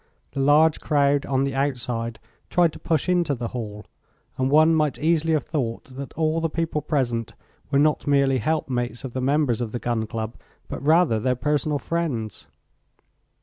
The large crowd on the outside tried to push into the hall, and one might easily have thought that all the people present were not merely helpmates of the members of the Gun Club, but rather their personal friends.